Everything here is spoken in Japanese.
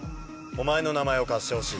お前の名前を貸してほしい。